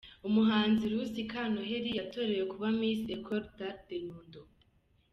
Umuhanzikazi Ruth Kanoheli yatorewe kuba Miss Ecole d'Art de Nyundo.